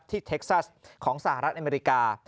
เท็กซัสของสหรัฐอเมริกา